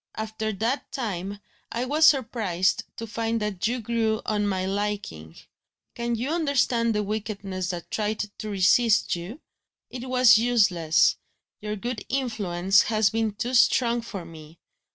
After that time, I was surprised to find that you grew on my liking, Can you understand the wickedness that tried to resist you? It was useless; your good influence has been too strong for me.